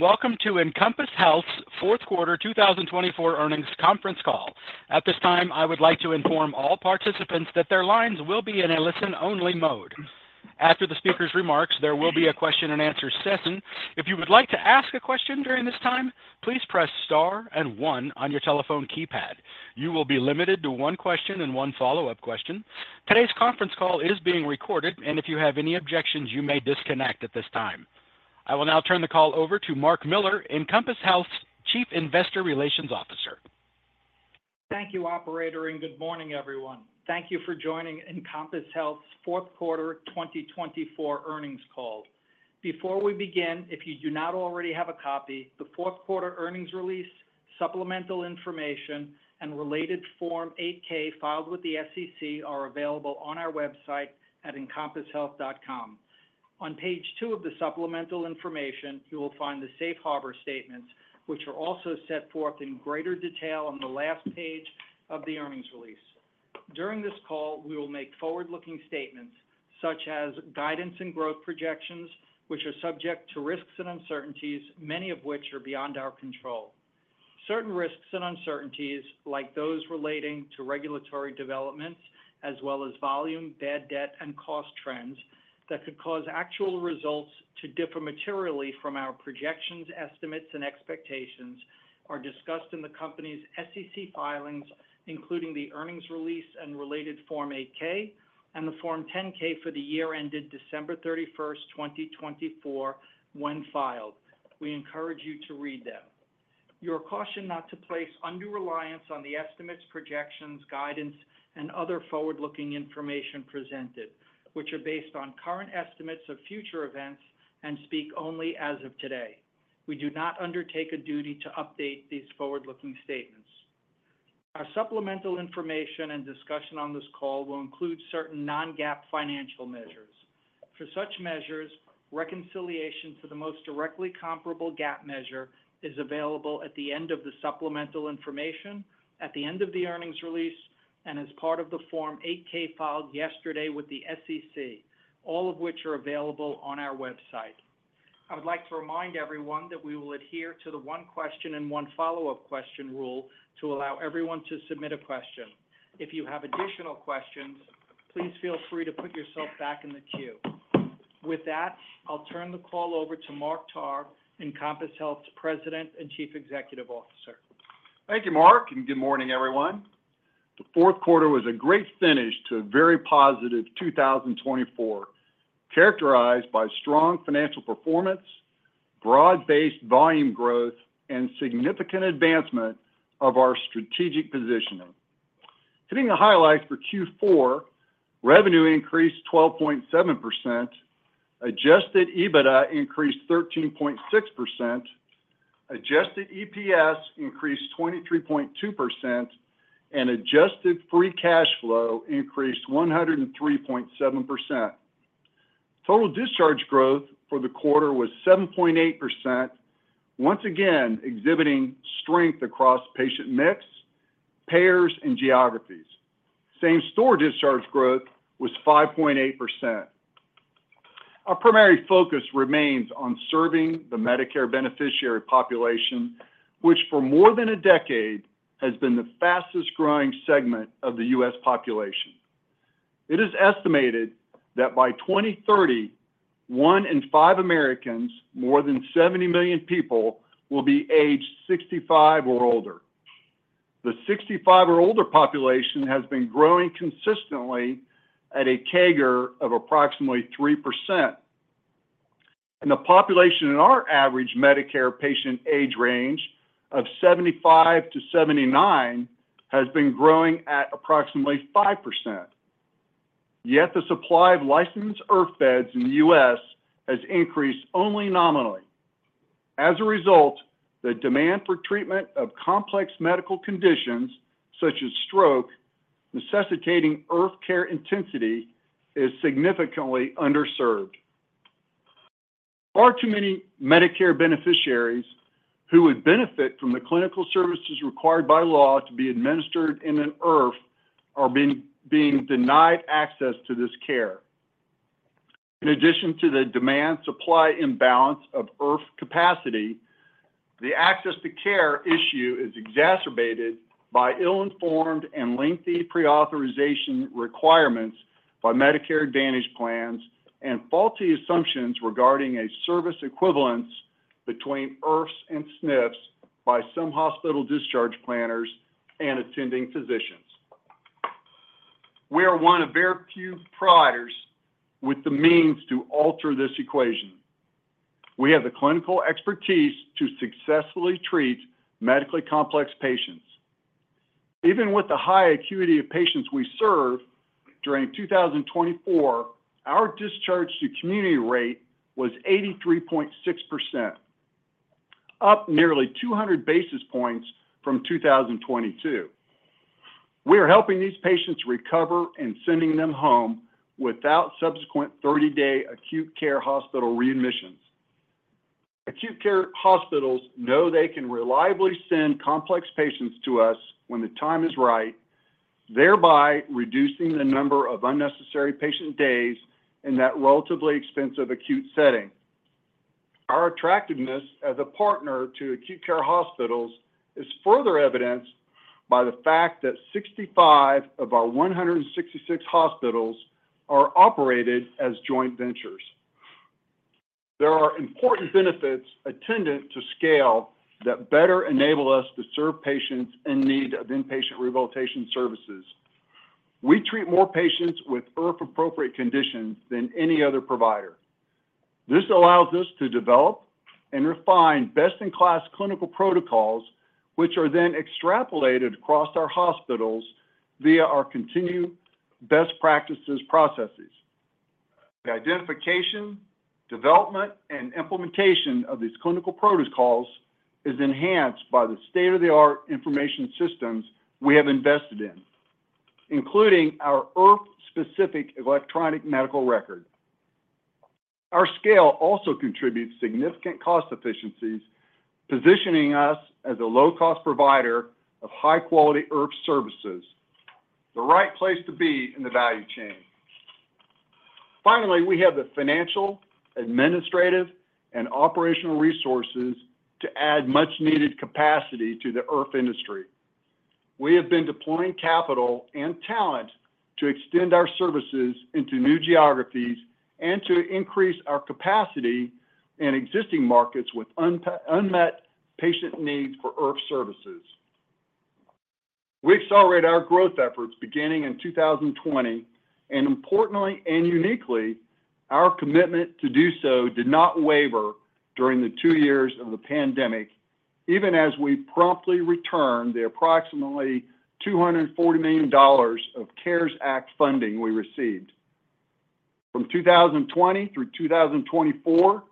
Welcome to Encompass Health's fourth quarter 2024 earnings conference call. At this time, I would like to inform all participants that their lines will be in a listen-only mode. After the speaker's remarks, there will be a question-and-answer session. If you would like to ask a question during this time, please press star and one on your telephone keypad. You will be limited to one question and one follow-up question. Today's conference call is being recorded, and if you have any objections, you may disconnect at this time. I will now turn the call over to Mark Miller, Encompass Health's Chief Investor Relations Officer. Thank you, Operator, and good morning, everyone. Thank you for joining Encompass Health's fourth quarter 2024 earnings call. Before we begin, if you do not already have a copy, the fourth quarter earnings release, supplemental information, and related Form 8-K filed with the SEC are available on our website at encompasshealth.com. On page two of the supplemental information, you will find the safe harbor statements, which are also set forth in greater detail on the last page of the earnings release. During this call, we will make forward-looking statements such as guidance and growth projections, which are subject to risks and uncertainties, many of which are beyond our control. Certain risks and uncertainties, like those relating to regulatory developments, as well as volume, bad debt, and cost trends that could cause actual results to differ materially from our projections, estimates, and expectations, are discussed in the company's SEC filings, including the earnings release and related Form 8-K and the Form 10-K for the year ended December 31st, 2024, when filed. We encourage you to read them. You are cautioned not to place undue reliance on the estimates, projections, guidance, and other forward-looking information presented, which are based on current estimates of future events and speak only as of today. We do not undertake a duty to update these forward-looking statements. Our supplemental information and discussion on this call will include certain non-GAAP financial measures. For such measures, reconciliation to the most directly comparable GAAP measure is available at the end of the supplemental information, at the end of the earnings release, and as part of the Form 8-K filed yesterday with the SEC, all of which are available on our website. I would like to remind everyone that we will adhere to the one question and one follow-up question rule to allow everyone to submit a question. If you have additional questions, please feel free to put yourself back in the queue. With that, I'll turn the call over to Mark Tarr, Encompass Health's President and Chief Executive Officer. Thank you, Mark, and good morning, everyone. The fourth quarter was a great finish to a very positive 2024, characterized by strong financial performance, broad-based volume growth, and significant advancement of our strategic positioning. Hitting the highlights for Q4, revenue increased 12.7%, Adjusted EBITDA increased 13.6%, Adjusted EPS increased 23.2%, and Adjusted Free Cash Flow increased 103.7%. Total discharge growth for the quarter was 7.8%, once again exhibiting strength across patient mix, payers, and geographies. Same-store discharge growth was 5.8%. Our primary focus remains on serving the Medicare beneficiary population, which for more than a decade has been the fastest growing segment of the U.S. population. It is estimated that by 2030, one in five Americans, more than 70 million people, will be aged 65 or older. The 65 or older population has been growing consistently at a CAGR of approximately 3%. And the population in our average Medicare patient age range of 75 to 79 has been growing at approximately 5%. Yet the supply of licensed IRF beds in the U.S. has increased only nominally. As a result, the demand for treatment of complex medical conditions, such as stroke, necessitating IRF care intensity, is significantly underserved. Far too many Medicare beneficiaries who would benefit from the clinical services required by law to be administered in an IRF are being denied access to this care. In addition to the demand-supply imbalance of IRF capacity, the access to care issue is exacerbated by ill-informed and lengthy pre-authorization requirements by Medicare Advantage plans and faulty assumptions regarding a service equivalence between IRFs and SNFs by some hospital discharge planners and attending physicians. We are one of very few providers with the means to alter this equation. We have the clinical expertise to successfully treat medically complex patients. Even with the high acuity of patients we serve during 2024, our discharge to community rate was 83.6%, up nearly 200 basis points from 2022. We are helping these patients recover and sending them home without subsequent 30-day acute care hospital readmissions. Acute care hospitals know they can reliably send complex patients to us when the time is right, thereby reducing the number of unnecessary patient days in that relatively expensive acute setting. Our attractiveness as a partner to acute care hospitals is further evidenced by the fact that 65 of our 166 hospitals are operated as joint ventures. There are important benefits attendant to scale that better enable us to serve patients in need of inpatient rehabilitation services. We treat more patients with IRF-appropriate conditions than any other provider. This allows us to develop and refine best-in-class clinical protocols, which are then extrapolated across our hospitals via our continued best practices processes. The identification, development, and implementation of these clinical protocols is enhanced by the state-of-the-art information systems we have invested in, including our IRF-specific electronic medical record. Our scale also contributes significant cost efficiencies, positioning us as a low-cost provider of high-quality IRF services, the right place to be in the value chain. Finally, we have the financial, administrative, and operational resources to add much-needed capacity to the IRF industry. We have been deploying capital and talent to extend our services into new geographies and to increase our capacity in existing markets with unmet patient needs for IRF services. We accelerated our growth efforts beginning in 2020, and importantly and uniquely, our commitment to do so did not waver during the two years of the pandemic, even as we promptly returned the approximately $240 million of CARES Act funding we received. From 2020 through 2024,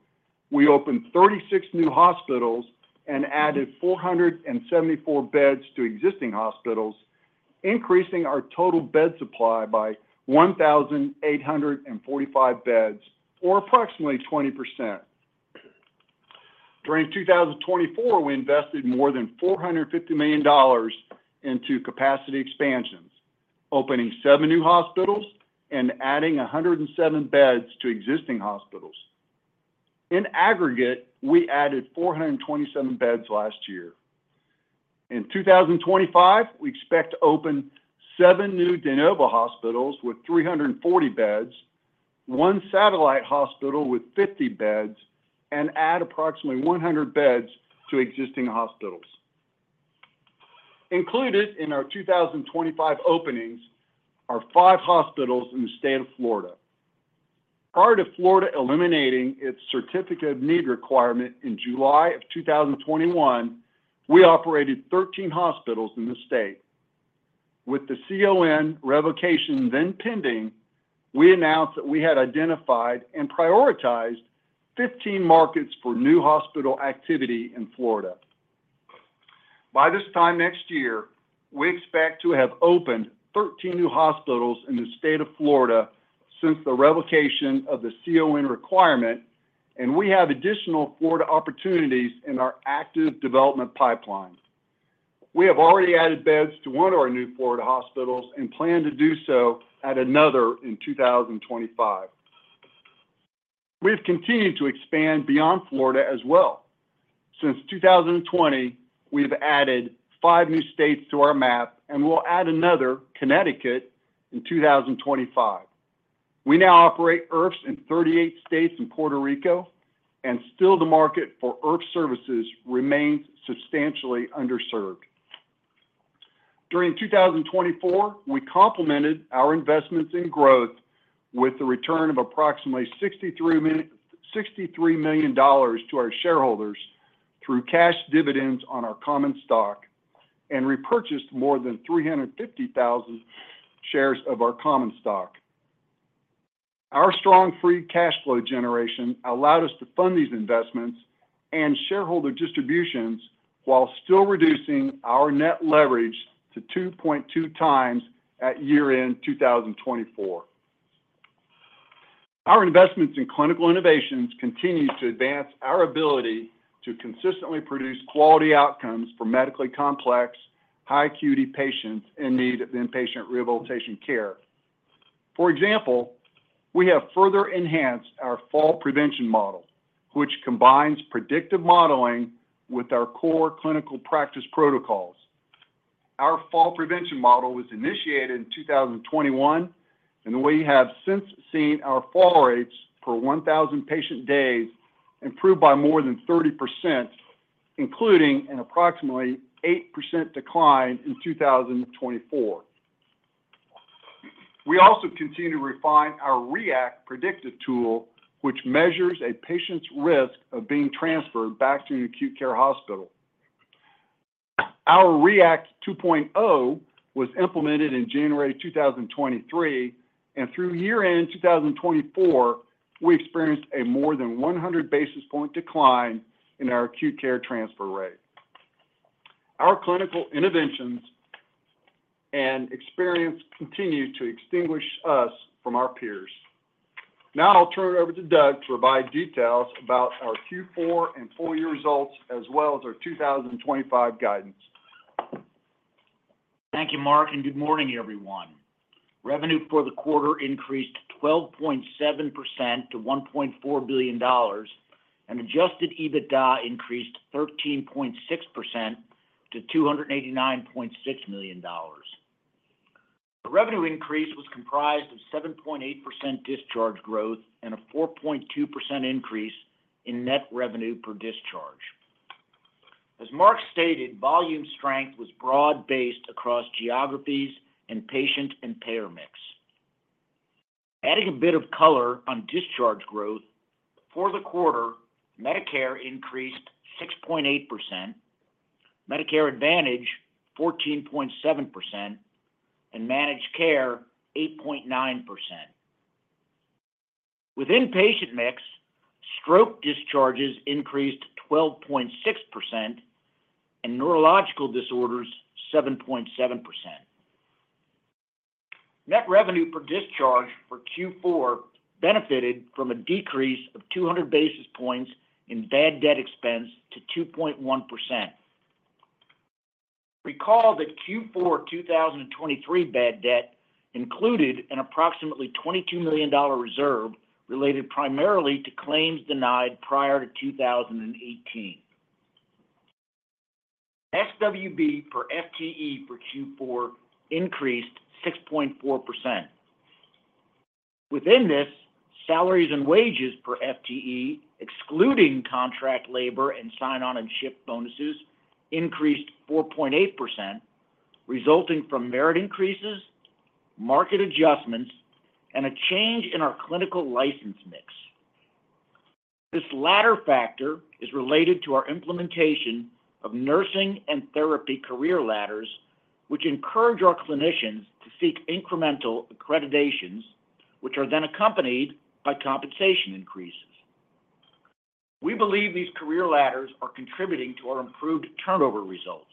we opened 36 new hospitals and added 474 beds to existing hospitals, increasing our total bed supply by 1,845 beds, or approximately 20%. During 2024, we invested more than $450 million into capacity expansions, opening seven new hospitals and adding 107 beds to existing hospitals. In aggregate, we added 427 beds last year. In 2025, we expect to open seven new de novo hospitals with 340 beds, one satellite hospital with 50 beds, and add approximately 100 beds to existing hospitals. Included in our 2025 openings are five hospitals in the state of Florida. Prior to Florida eliminating its Certificate of Need requirement in July of 2021, we operated 13 hospitals in the state. With the CON revocation then pending, we announced that we had identified and prioritized 15 markets for new hospital activity in Florida. By this time next year, we expect to have opened 13 new hospitals in the state of Florida since the revocation of the CON requirement, and we have additional Florida opportunities in our active development pipeline. We have already added beds to one of our new Florida hospitals and plan to do so at another in 2025. We have continued to expand beyond Florida as well. Since 2020, we have added five new states to our map, and we'll add another, Connecticut, in 2025. We now operate IRFs in 38 states and Puerto Rico, and still the market for IRF services remains substantially underserved. During 2024, we complemented our investments in growth with the return of approximately $63 million to our shareholders through cash dividends on our common stock and repurchased more than 350,000 shares of our common stock. Our strong free cash flow generation allowed us to fund these investments and shareholder distributions while still reducing our net leverage to 2.2 times at year-end 2024. Our investments in clinical innovations continue to advance our ability to consistently produce quality outcomes for medically complex, high-acuity patients in need of inpatient rehabilitation care. For example, we have further enhanced our fall prevention model, which combines predictive modeling with our core clinical practice protocols. Our fall prevention model was initiated in 2021, and we have since seen our fall rates per 1,000 patient days improve by more than 30%, including an approximately 8% decline in 2024. We also continue to refine our ReACT predictive tool, which measures a patient's risk of being transferred back to an acute care hospital. Our ReACT 2.0 was implemented in January 2023, and through year-end 2024, we experienced a more than 100 basis point decline in our acute care transfer rate. Our clinical interventions and experience continue to distinguish us from our peers. Now I'll turn it over to Doug to provide details about our Q4 and full-year results, as well as our 2025 guidance. Thank you, Mark, and good morning, everyone. Revenue for the quarter increased 12.7% to $1.4 billion, and Adjusted EBITDA increased 13.6% to $289.6 million. The revenue increase was comprised of 7.8% discharge growth and a 4.2% increase in net revenue per discharge. As Mark stated, volume strength was broad-based across geographies and patient and payer mix. Adding a bit of color on discharge growth, for the quarter, Medicare increased 6.8%, Medicare Advantage 14.7%, and Managed Care 8.9%. With inpatient mix, stroke discharges increased 12.6%, and neurological disorders 7.7%. Net revenue per discharge for Q4 benefited from a decrease of 200 basis points in bad debt expense to 2.1%. Recall that Q4 2023 bad debt included an approximately $22 million reserve related primarily to claims denied prior to 2018. SWB for FTE for Q4 increased 6.4%. Within this, salaries and wages for FTE, excluding contract labor and sign-on and shift bonuses, increased 4.8%, resulting from merit increases, market adjustments, and a change in our clinical license mix. This latter factor is related to our implementation of nursing and therapy career ladders, which encourage our clinicians to seek incremental accreditations, which are then accompanied by compensation increases. We believe these career ladders are contributing to our improved turnover results.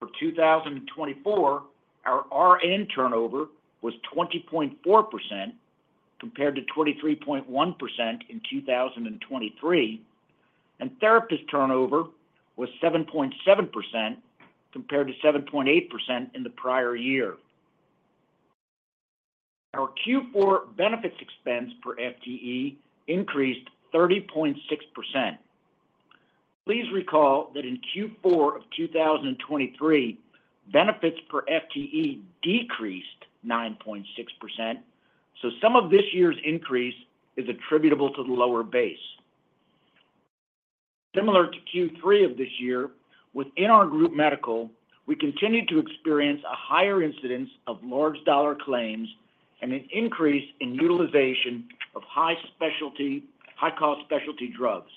For 2024, our RN turnover was 20.4% compared to 23.1% in 2023, and therapist turnover was 7.7% compared to 7.8% in the prior year. Our Q4 benefits expense per FTE increased 30.6%. Please recall that in Q4 of 2023, benefits per FTE decreased 9.6%, so some of this year's increase is attributable to the lower base. Similar to Q3 of this year, within our group medical, we continue to experience a higher incidence of large-dollar claims and an increase in utilization of high-cost specialty drugs.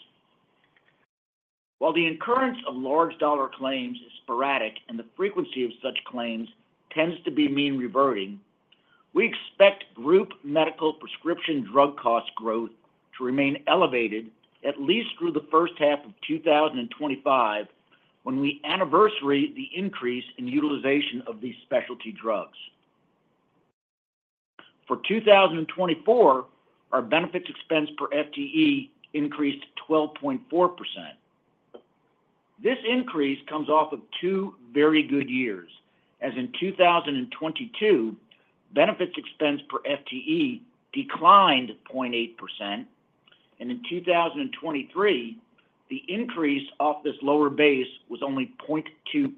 While the incurrence of large-dollar claims is sporadic and the frequency of such claims tends to be mean-reverting, we expect group medical prescription drug cost growth to remain elevated at least through the first half of 2025 when we anniversary the increase in utilization of these specialty drugs. For 2024, our benefits expense per FTE increased 12.4%. This increase comes off of two very good years, as in 2022, benefits expense per FTE declined 0.8%, and in 2023, the increase off this lower base was only 0.2%.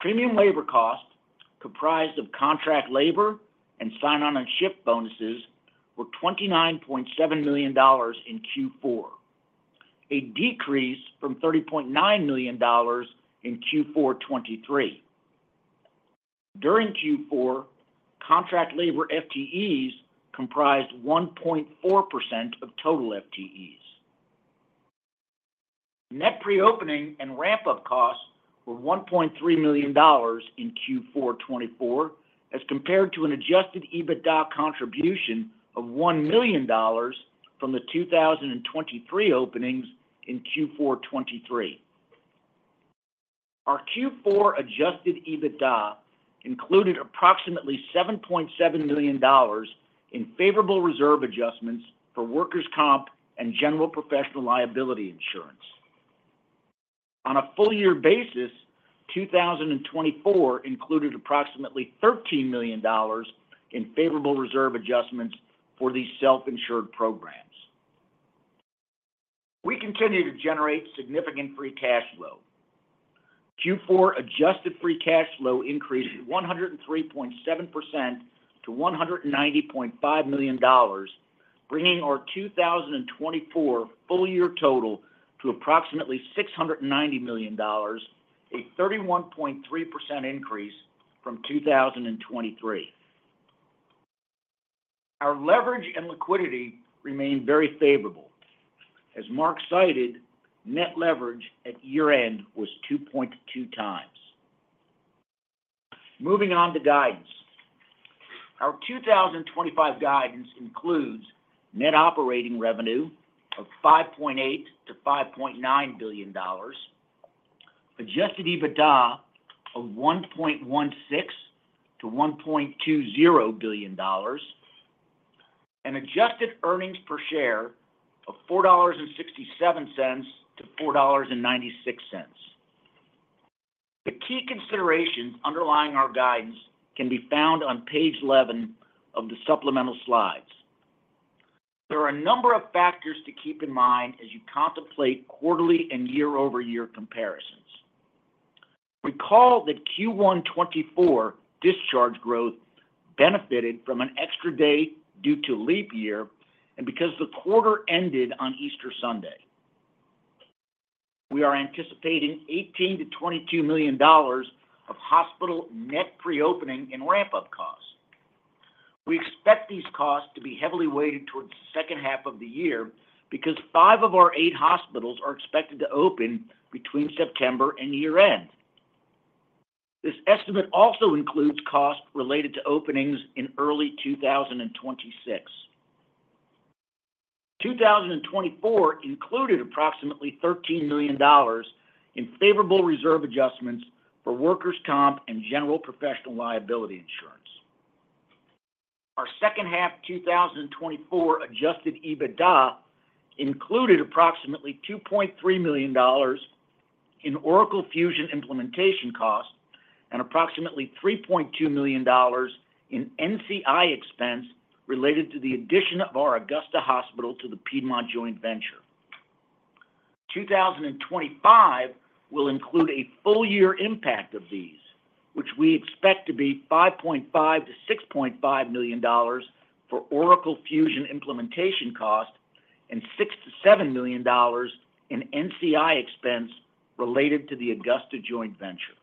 Premium labor cost, comprised of contract labor and sign-on and shift bonuses, were $29.7 million in Q4, a decrease from $30.9 million in Q4 2023. During Q4, contract labor FTEs comprised 1.4% of total FTEs. Net pre-opening and ramp-up costs were $1.3 million in Q4 2024, as compared to an Adjusted EBITDA contribution of $1 million from the 2023 openings in Q4 2023. Our Q4 Adjusted EBITDA included approximately $7.7 million in favorable reserve adjustments for workers' comp and general professional liability insurance. On a full-year basis, 2024 included approximately $13 million in favorable reserve adjustments for these self-insured programs. We continue to generate significant free cash flow. Q4 Adjusted Free Cash Flow increased 103.7% to $190.5 million, bringing our 2024 full-year total to approximately $690 million, a 31.3% increase from 2023. Our leverage and liquidity remain very favorable. As Mark cited, net leverage at year-end was 2.2 times. Moving on to guidance. Our 2025 guidance includes net operating revenue of $5.8-$5.9 billion, Adjusted EBITDA of $1.16-$1.20 billion, and Adjusted Earnings per Share of $4.67-$4.96. The key considerations underlying our guidance can be found on page 11 of the supplemental slides. There are a number of factors to keep in mind as you contemplate quarterly and year-over-year comparisons. Recall that Q1 2024 discharge growth benefited from an extra day due to leap year and because the quarter ended on Easter Sunday. We are anticipating $18-$22 million of hospital net pre-opening and ramp-up costs. We expect these costs to be heavily weighted towards the second half of the year because five of our eight hospitals are expected to open between September and year-end. This estimate also includes costs related to openings in early 2026. 2024 included approximately $13 million in favorable reserve adjustments for workers' comp and general professional liability insurance. Our second half 2024 Adjusted EBITDA included approximately $2.3 million in Oracle Fusion implementation costs and approximately $3.2 million in NCI expense related to the addition of our Augusta Hospital to the Piedmont Joint Venture. 2025 will include a full-year impact of these, which we expect to be $5.5-$6.5 million for Oracle Fusion implementation costs and $6-$7 million in NCI expense related to the Augusta Joint Venture.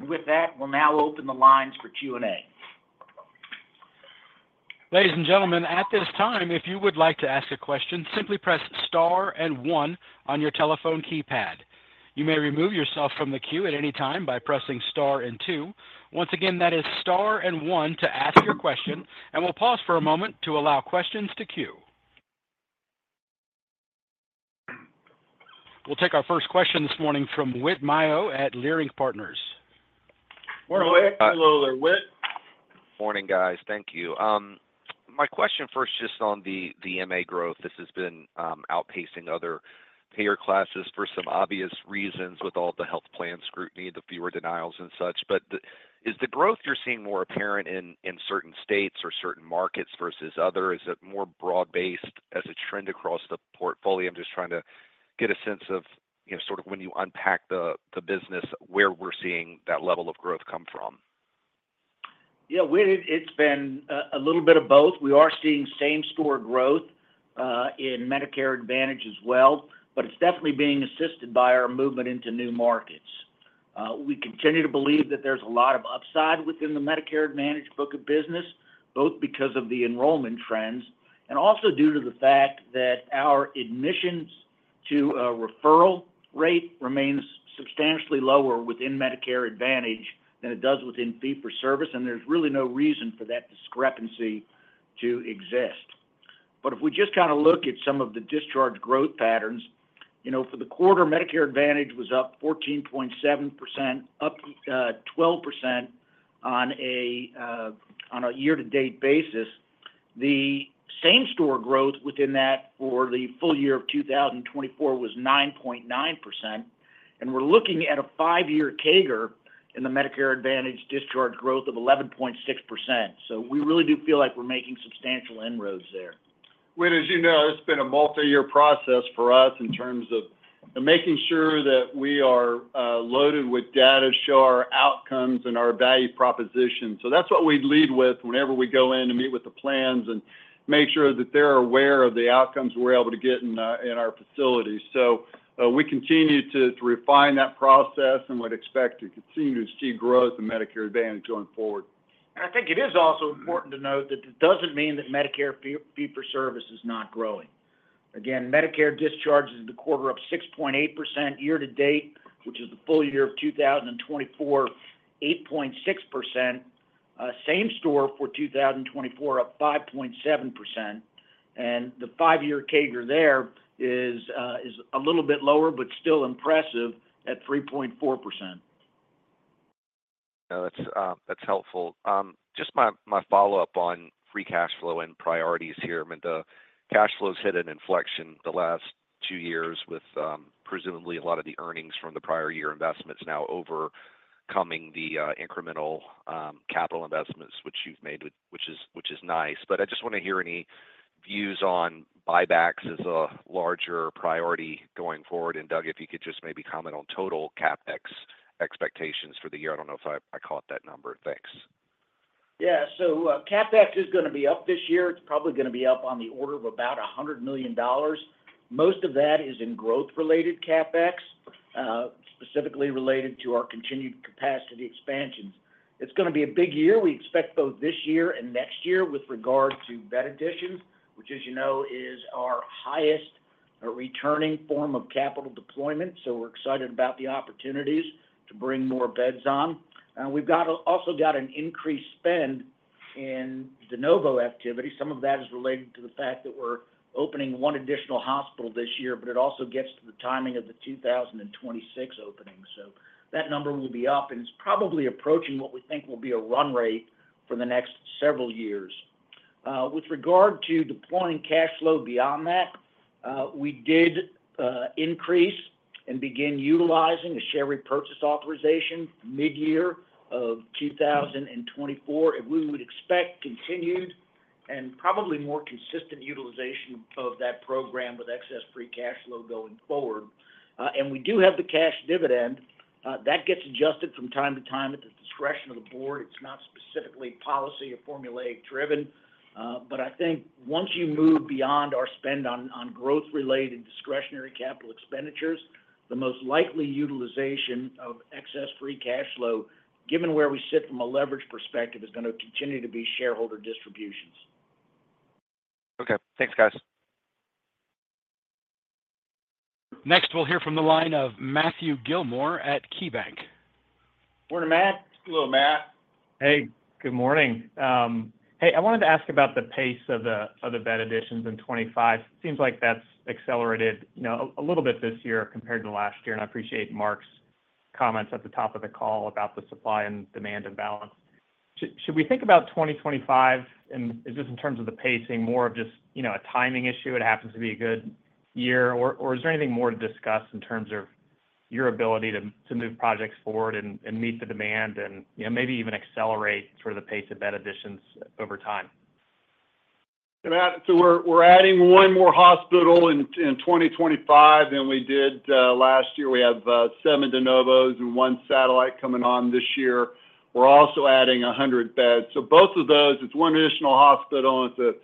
With that, we'll now open the lines for Q&A. Ladies and gentlemen, at this time, if you would like to ask a question, simply press Star and 1 on your telephone keypad. You may remove yourself from the queue at any time by pressing Star and 2. Once again, that is Star and 1 to ask your question, and we'll pause for a moment to allow questions to queue. We'll take our first question this morning from Whit Mayo at Leerink Partners. Hello. Hello. There, Whit? Morning, guys. Thank you. My question first is just on the MA growth. This has been outpacing other payer classes for some obvious reasons with all the health plan scrutiny, the fewer denials and such. But is the growth you're seeing more apparent in certain states or certain markets versus other? Is it more broad-based as a trend across the portfolio? I'm just trying to get a sense of sort of when you unpack the business, where we're seeing that level of growth come from. Yeah, Whit, it's been a little bit of both. We are seeing same-store growth in Medicare Advantage as well, but it's definitely being assisted by our movement into new markets. We continue to believe that there's a lot of upside within the Medicare Advantage book of business, both because of the enrollment trends and also due to the fact that our admissions to a referral rate remains substantially lower within Medicare Advantage than it does within fee-for-service, and there's really no reason for that discrepancy to exist. But if we just kind of look at some of the discharge growth patterns, for the quarter, Medicare Advantage was up 14.7%, up 12% on a year-to-date basis. The same-store growth within that for the full year of 2024 was 9.9%, and we're looking at a five-year CAGR in the Medicare Advantage discharge growth of 11.6%. We really do feel like we're making substantial inroads there. Whit, as you know, it's been a multi-year process for us in terms of making sure that we are loaded with data to show our outcomes and our value proposition. So that's what we lead with whenever we go in to meet with the plans and make sure that they're aware of the outcomes we're able to get in our facility. So we continue to refine that process, and we'd expect to continue to see growth in Medicare Advantage going forward. I think it is also important to note that it doesn't mean that Medicare fee-for-service is not growing. Again, Medicare discharges in the quarter up 6.8% year-to-date, which is the full year of 2024, 8.6%. Same-store for 2024 up 5.7%, and the five-year CAGR there is a little bit lower but still impressive at 3.4%. That's helpful. Just my follow-up on free cash flow and priorities here. I mean, the cash flow's hit an inflection the last two years with presumably a lot of the earnings from the prior year investments now overcoming the incremental capital investments, which you've made, which is nice. But I just want to hear any views on buybacks as a larger priority going forward. And Doug, if you could just maybe comment on total CapEx expectations for the year. I don't know if I caught that number. Thanks. Yeah. So CapEx is going to be up this year. It's probably going to be up on the order of about $100 million. Most of that is in growth-related CapEx, specifically related to our continued capacity expansions. It's going to be a big year. We expect both this year and next year with regard to bed additions, which, as you know, is our highest returning form of capital deployment. So we're excited about the opportunities to bring more beds on. We've also got an increased spend in de novo activity. Some of that is related to the fact that we're opening one additional hospital this year, but it also gets to the timing of the 2026 opening. So that number will be up, and it's probably approaching what we think will be a run rate for the next several years. With regard to deploying cash flow beyond that, we did increase and begin utilizing a share repurchase authorization mid-year of 2024. We would expect continued and probably more consistent utilization of that program with excess free cash flow going forward. And we do have the cash dividend. That gets adjusted from time to time at the discretion of the board. It's not specifically policy or formulaic-driven. But I think once you move beyond our spend on growth-related discretionary capital expenditures, the most likely utilization of excess free cash flow, given where we sit from a leverage perspective, is going to continue to be shareholder distributions. Okay. Thanks, guys. Next, we'll hear from the line of Matthew Gillmor at KeyBank. Morning, Matt. Hello, Matt. Hey, good morning. Hey, I wanted to ask about the pace of the bed additions in 2025. It seems like that's accelerated a little bit this year compared to last year, and I appreciate Mark's comments at the top of the call about the supply and demand imbalance. Should we think about 2025, and is this in terms of the pacing more of just a timing issue? It happens to be a good year, or is there anything more to discuss in terms of your ability to move projects forward and meet the demand and maybe even accelerate sort of the pace of bed additions over time? Yeah, Matt. So we're adding one more hospital in 2025 than we did last year. We have seven de novos and one satellite coming on this year. We're also adding 100 beds. So both of those, it's one additional hospital, and it's a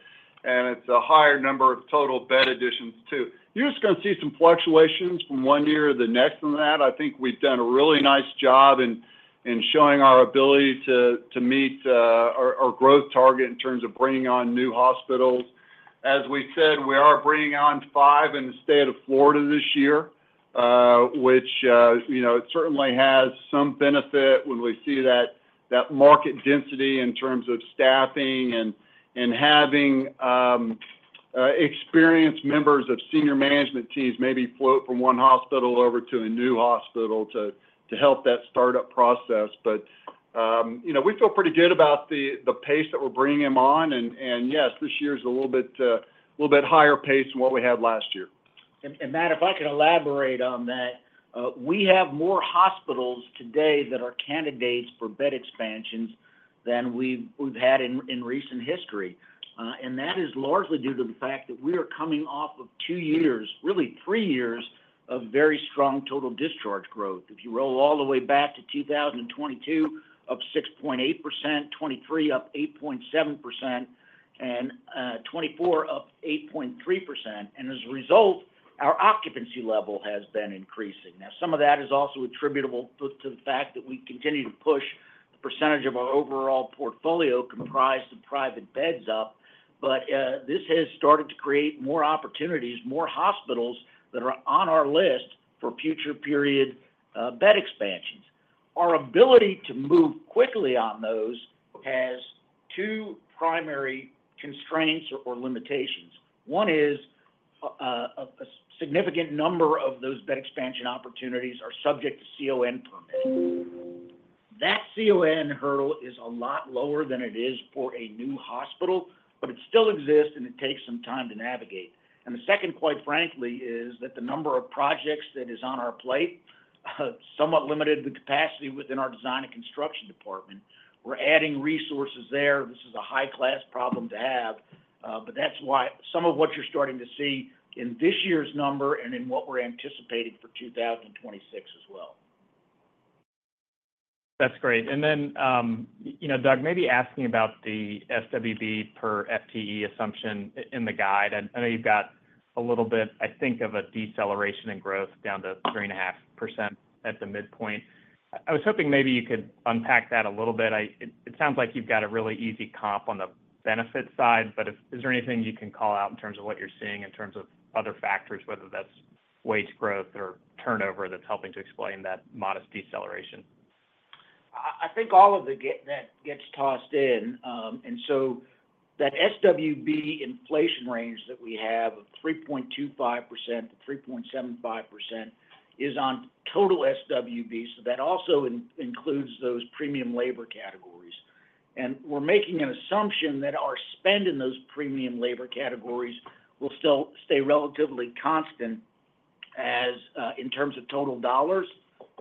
higher number of total bed additions too. You're just going to see some fluctuations from one year to the next than that. I think we've done a really nice job in showing our ability to meet our growth target in terms of bringing on new hospitals. As we said, we are bringing on five in the state of Florida this year, which certainly has some benefit when we see that market density in terms of staffing and having experienced members of senior management teams maybe float from one hospital over to a new hospital to help that startup process. But we feel pretty good about the pace that we're bringing them on. And yes, this year's a little bit higher pace than what we had last year. Matt, if I can elaborate on that, we have more hospitals today that are candidates for bed expansions than we've had in recent history. That is largely due to the fact that we are coming off of two years, really three years, of very strong total discharge growth. If you roll all the way back to 2022, up 6.8%, 2023 up 8.7%, and 2024 up 8.3%. As a result, our occupancy level has been increasing. Now, some of that is also attributable to the fact that we continue to push the percentage of our overall portfolio comprised of private beds up, but this has started to create more opportunities, more hospitals that are on our list for future-period bed expansions. Our ability to move quickly on those has two primary constraints or limitations. One is a significant number of those bed expansion opportunities are subject to CON permit. That CON hurdle is a lot lower than it is for a new hospital, but it still exists, and it takes some time to navigate, and the second, quite frankly, is that the number of projects that is on our plate somewhat limited the capacity within our design and construction department. We're adding resources there. This is a high-class problem to have, but that's why some of what you're starting to see in this year's number and in what we're anticipating for 2026 as well. That's great. And then, Doug, maybe asking about the SWB per FTE assumption in the guide. I know you've got a little bit, I think, of a deceleration in growth down to 3.5% at the midpoint. I was hoping maybe you could unpack that a little bit. It sounds like you've got a really easy comp on the benefit side, but is there anything you can call out in terms of what you're seeing in terms of other factors, whether that's wage growth or turnover that's helping to explain that modest deceleration? I think all of that gets tossed in. And so that SWB inflation range that we have of 3.25%-3.75% is on total SWB, so that also includes those premium labor categories. And we're making an assumption that our spend in those premium labor categories will still stay relatively constant in terms of total dollars.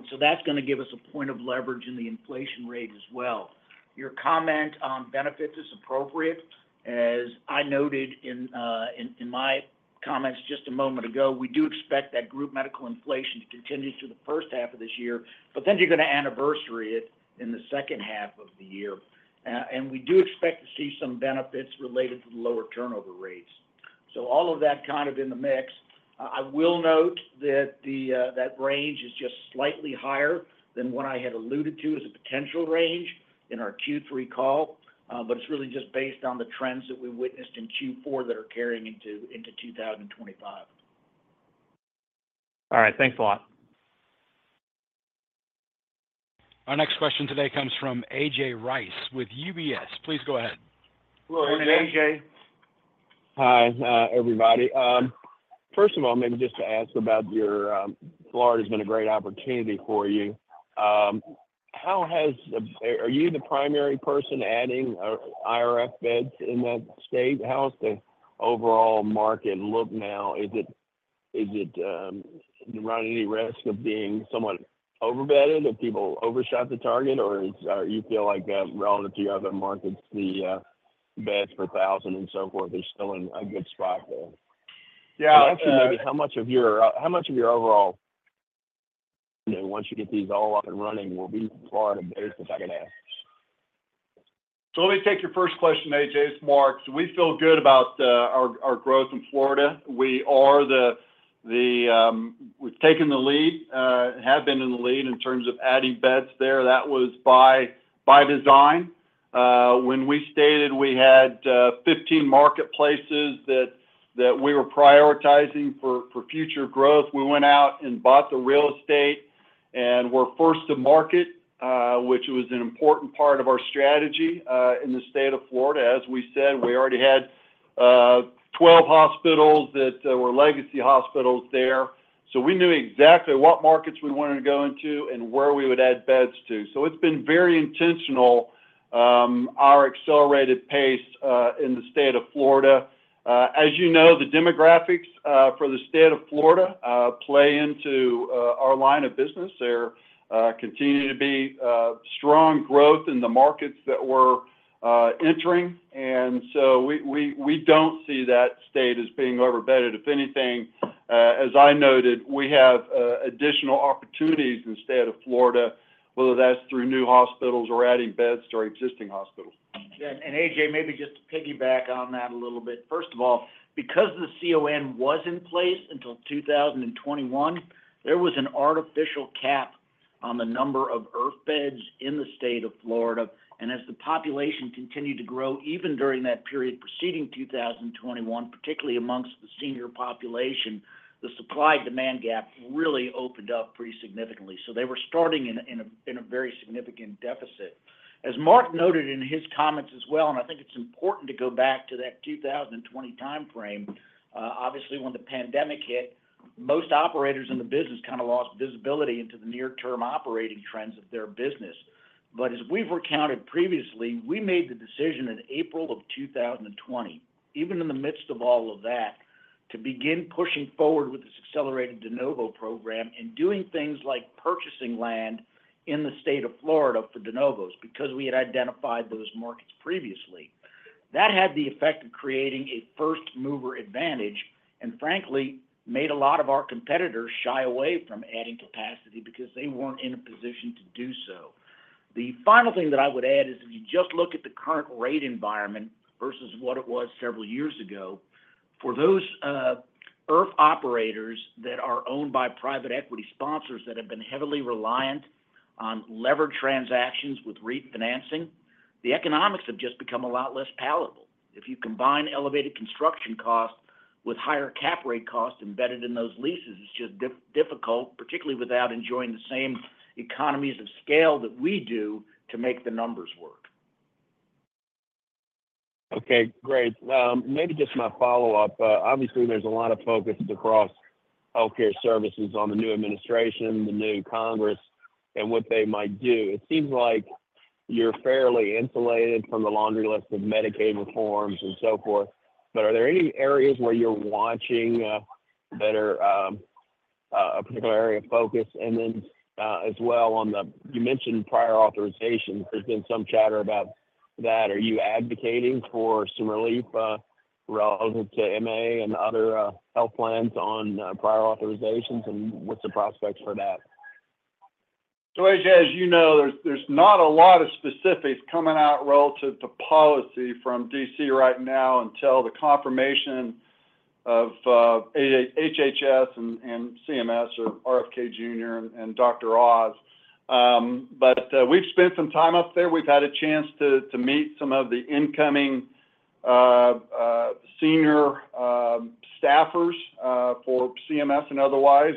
So that's going to give us a point of leverage in the inflation rate as well. Your comment on benefits is appropriate. As I noted in my comments just a moment ago, we do expect that group medical inflation to continue through the first half of this year, but then you're going to anniversary it in the second half of the year. And we do expect to see some benefits related to the lower turnover rates. So all of that kind of in the mix. I will note that that range is just slightly higher than what I had alluded to as a potential range in our Q3 call, but it's really just based on the trends that we witnessed in Q4 that are carrying into 2025. All right. Thanks a lot. Our next question today comes from A.J. Rice with UBS. Please go ahead. Hello. It's A.J. Hi, everybody. First of all, maybe just to ask about your Florida has been a great opportunity for you. Are you the primary person adding IRF beds in that state? How's the overall market look now? Is it running any risk of being somewhat overbedded or people overshot the target, or do you feel like relative to your other markets, the beds per thousand and so forth are still in a good spot there? Yeah. So actually, maybe how much of your overall once you get these all up and running, will be Florida-based, if I could ask? So let me take your first question, AJ. It's Mark. We feel good about our growth in Florida. We've taken the lead and have been in the lead in terms of adding beds there. That was by design. When we stated we had 15 marketplaces that we were prioritizing for future growth, we went out and bought the real estate and were first to market, which was an important part of our strategy in the state of Florida. As we said, we already had 12 hospitals that were legacy hospitals there. So we knew exactly what markets we wanted to go into and where we would add beds to. It's been very intentional, our accelerated pace in the state of Florida. As you know, the demographics for the state of Florida play into our line of business. There continue to be strong growth in the markets that we're entering. And so we don't see that state as being overbedded. If anything, as I noted, we have additional opportunities in the state of Florida, whether that's through new hospitals or adding beds to our existing hospitals. A.J., maybe just piggyback on that a little bit. First of all, because the CON was in place until 2021, there was an artificial cap on the number of IRF beds in the state of Florida. And as the population continued to grow, even during that period preceding 2021, particularly among the senior population, the supply-demand gap really opened up pretty significantly. So they were starting in a very significant deficit. As Mark noted in his comments as well, and I think it's important to go back to that 2020 timeframe, obviously, when the pandemic hit, most operators in the business kind of lost visibility into the near-term operating trends of their business. As we've recounted previously, we made the decision in April of 2020, even in the midst of all of that, to begin pushing forward with this accelerated de novo program and doing things like purchasing land in the state of Florida for de novos because we had identified those markets previously. That had the effect of creating a first-mover advantage and, frankly, made a lot of our competitors shy away from adding capacity because they weren't in a position to do so. The final thing that I would add is if you just look at the current rate environment versus what it was several years ago, for those IRF operators that are owned by private equity sponsors that have been heavily reliant on leverage transactions with refinancing, the economics have just become a lot less palatable. If you combine elevated construction costs with higher cap rate costs embedded in those leases, it's just difficult, particularly without enjoying the same economies of scale that we do to make the numbers work. Okay. Great. Maybe just my follow-up. Obviously, there's a lot of focus across healthcare services on the new administration, the new Congress, and what they might do. It seems like you're fairly insulated from the laundry list of Medicaid reforms and so forth, but are there any areas where you're watching that are a particular area of focus? And then as well, you mentioned prior authorizations. There's been some chatter about that. Are you advocating for some relief relative to MA and other health plans on prior authorizations, and what's the prospects for that? AJ, as you know, there's not a lot of specifics coming out relative to policy from DC right now until the confirmation of HHS and CMS or RFK Jr. and Dr. Oz. But we've spent some time up there. We've had a chance to meet some of the incoming senior staffers for CMS and otherwise.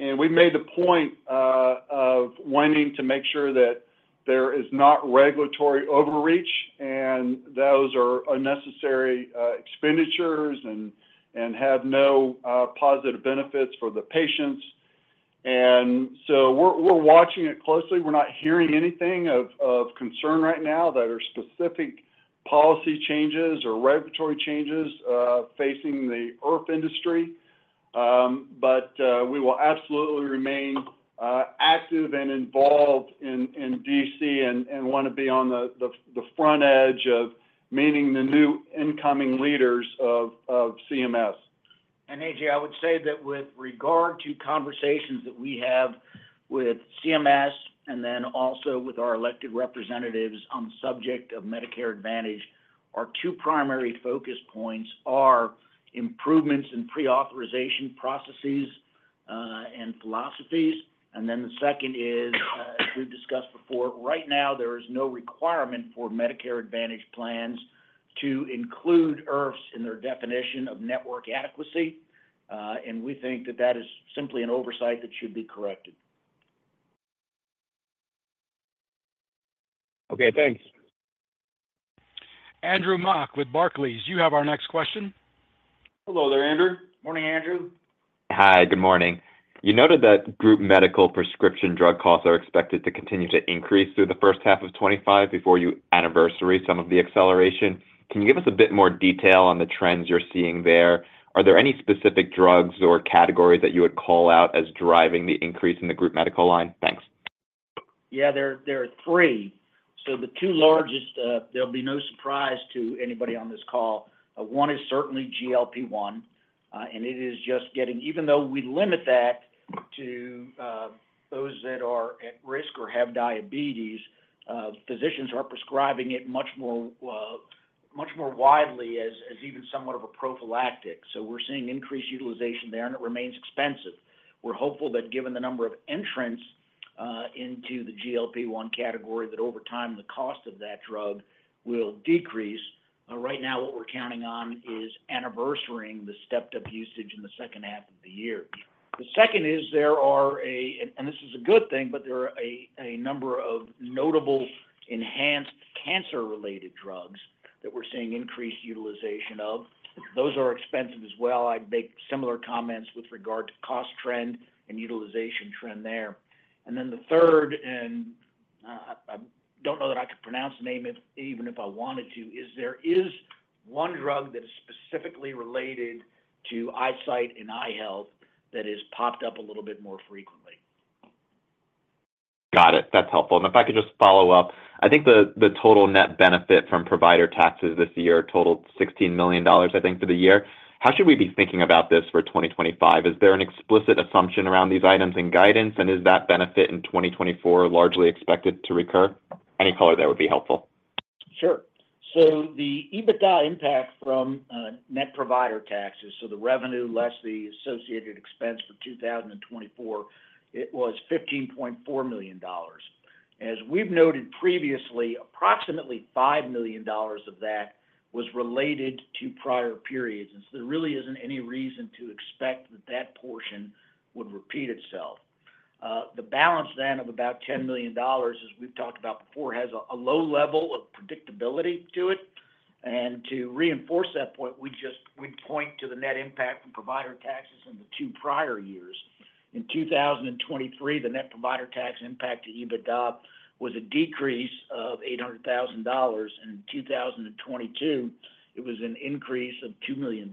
And we've made the point of wanting to make sure that there is not regulatory overreach and those are unnecessary expenditures and have no positive benefits for the patients. And so we're watching it closely. We're not hearing anything of concern right now that are specific policy changes or regulatory changes facing the IRF industry. But we will absolutely remain active and involved in DC and want to be on the front edge of meeting the new incoming leaders of CMS. And A.J., I would say that with regard to conversations that we have with CMS and then also with our elected representatives on the subject of Medicare Advantage, our two primary focus points are improvements in pre-authorization processes and philosophies. And then the second is, as we've discussed before, right now, there is no requirement for Medicare Advantage plans to include IRFs in their definition of network adequacy. And we think that that is simply an oversight that should be corrected. Okay. Thanks. Andrew Mock with Barclays. You have our next question. Hello there, Andrew. Morning, Andrew. Hi. Good morning. You noted that group medical prescription drug costs are expected to continue to increase through the first half of 2025 before you anniversary some of the acceleration. Can you give us a bit more detail on the trends you're seeing there? Are there any specific drugs or categories that you would call out as driving the increase in the group medical line? Thanks. Yeah. There are three. So the two largest, there'll be no surprise to anybody on this call. One is certainly GLP-1, and it is just getting even though we limit that to those that are at risk or have diabetes, physicians are prescribing it much more widely as even somewhat of a prophylactic. So we're seeing increased utilization there, and it remains expensive. We're hopeful that given the number of entrants into the GLP-1 category that over time, the cost of that drug will decrease. Right now, what we're counting on is anniversarying the stepped-up usage in the second half of the year. The second is there are—and this is a good thing—but there are a number of notable enhanced cancer-related drugs that we're seeing increased utilization of. Those are expensive as well. I'd make similar comments with regard to cost trend and utilization trend there. And then the third, and I don't know that I could pronounce the name even if I wanted to, is. There is one drug that is specifically related to eyesight and eye health that has popped up a little bit more frequently. Got it. That's helpful. And if I could just follow up, I think the total net benefit from provider taxes this year totaled $16 million, I think, for the year. How should we be thinking about this for 2025? Is there an explicit assumption around these items in guidance, and is that benefit in 2024 largely expected to recur? Any color there would be helpful. Sure, so the EBITDA impact from net provider taxes, so the revenue less the associated expense for 2024, it was $15.4 million. As we've noted previously, approximately $5 million of that was related to prior periods, and so there really isn't any reason to expect that that portion would repeat itself. The balance then of about $10 million, as we've talked about before, has a low level of predictability to it, and to reinforce that point, we'd point to the net impact from provider taxes in the two prior years. In 2023, the net provider tax impact to EBITDA was a decrease of $800,000, and in 2022, it was an increase of $2 million,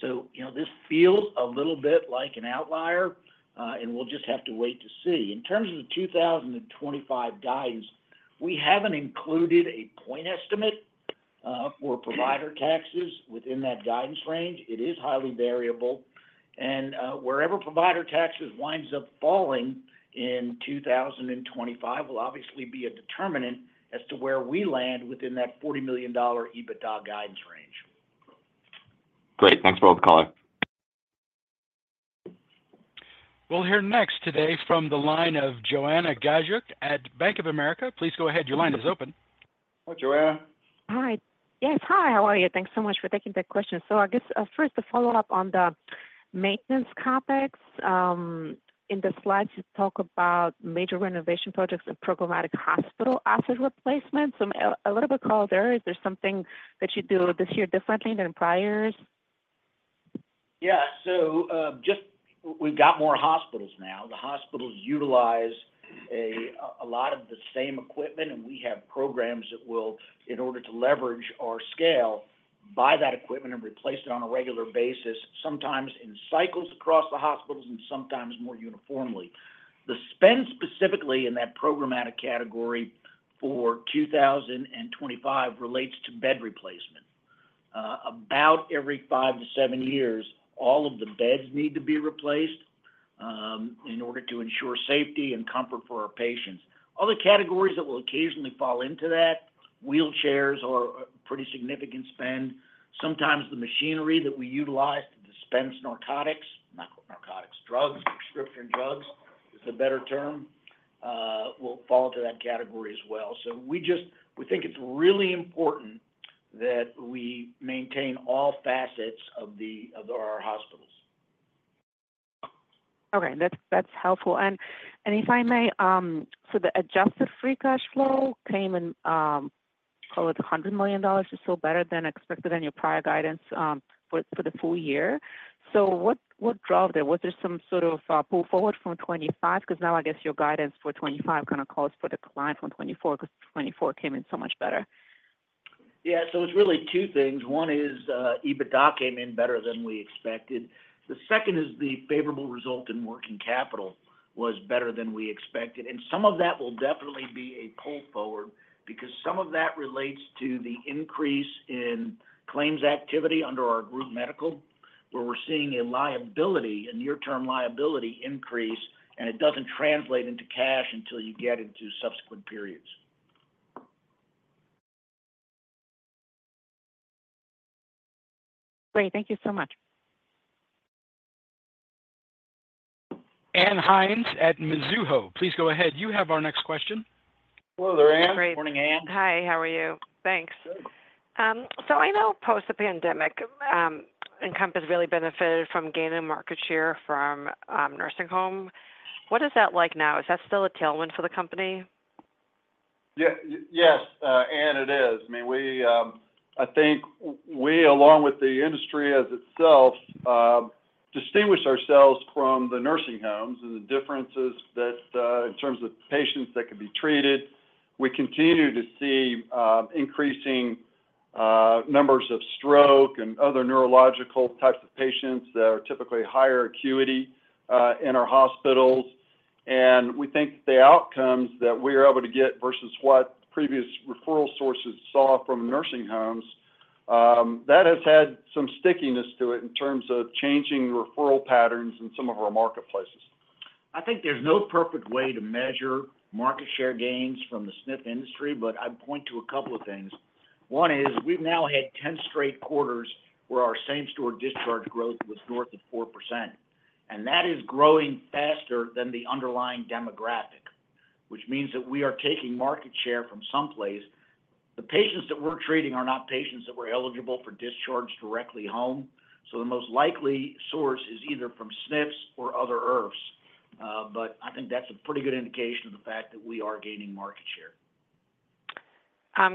so this feels a little bit like an outlier, and we'll just have to wait to see. In terms of the 2025 guidance, we haven't included a point estimate for provider taxes within that guidance range. It is highly variable, and wherever provider taxes winds up falling in 2025 will obviously be a determinant as to where we land within that $40 million EBITDA guidance range. Great. Thanks for all the color. We'll hear next today from the line of Joanna Gajuk at Bank of America. Please go ahead. Your line is open. Hi, Joanna. Hi. Yes. Hi. How are you? Thanks so much for taking the question. So I guess first, to follow up on the maintenance topics, in the slides, you talk about major renovation projects and programmatic hospital asset replacement. So I'm a little bit curious. Is there something that you do this year differently than priors? Yeah. So we've got more hospitals now. The hospitals utilize a lot of the same equipment, and we have programs that will, in order to leverage our scale, buy that equipment and replace it on a regular basis, sometimes in cycles across the hospitals and sometimes more uniformly. The spend specifically in that programmatic category for 2025 relates to bed replacement. About every five to seven years, all of the beds need to be replaced in order to ensure safety and comfort for our patients. Other categories that will occasionally fall into that, wheelchairs are a pretty significant spend. Sometimes the machinery that we utilize to dispense narcotics, not narcotics, drugs, prescription drugs is the better term, will fall into that category as well. So we think it's really important that we maintain all facets of our hospitals. Okay. That's helpful. And if I may, so the Adjusted Free Cash Flow came in, call it $100 million or so, better than expected in your prior guidance for the full year. So what drove there? Was there some sort of pull forward from 2025? Because now, I guess your guidance for 2025 kind of calls for declined from 2024 because 2024 came in so much better. Yeah. So it's really two things. One is EBITDA came in better than we expected. The second is the favorable result in working capital was better than we expected. And some of that will definitely be a pull forward because some of that relates to the increase in claims activity under our group medical, where we're seeing a liability, a near-term liability increase, and it doesn't translate into cash until you get into subsequent periods. Great. Thank you so much. Ann Hynes at Mizuho, please go ahead. You have our next question. Hello, there, Ann. Morning, Ann. Hi. How are you? Thanks. So I know post the pandemic, Encompass really benefited from gaining market share from nursing homes. What is that like now? Is that still a tailwind for the company? Yes. Ann, it is. I mean, I think we, along with the industry as itself, distinguish ourselves from the nursing homes in the differences that in terms of patients that can be treated. We continue to see increasing numbers of stroke and other neurological types of patients that are typically higher acuity in our hospitals. And we think that the outcomes that we are able to get versus what previous referral sources saw from nursing homes, that has had some stickiness to it in terms of changing referral patterns in some of our marketplaces. I think there's no perfect way to measure market share gains from the SNF industry, but I'd point to a couple of things. One is we've now had 10 straight quarters where our same-store discharge growth was north of 4%. And that is growing faster than the underlying demographic, which means that we are taking market share from someplace. The patients that we're treating are not patients that were eligible for discharge directly home. So the most likely source is either from SNFs or other IRFs. But I think that's a pretty good indication of the fact that we are gaining market share.